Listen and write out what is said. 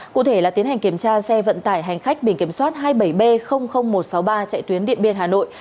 cụ thể là tiến hành kiểm tra xe vận tải hành khách biển kiểm soát hai mươi bảy b một trăm sáu mươi ba chạy tuyến điện biên hà nội